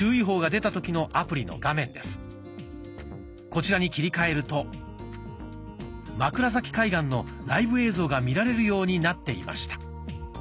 こちらに切り替えると枕崎海岸のライブ映像が見られるようになっていました。